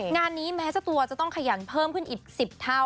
งานนี้แม้เจ้าตัวจะต้องขยันเพิ่มขึ้นอีก๑๐เท่า